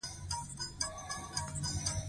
د نیم غوړي د څه لپاره وکاروم؟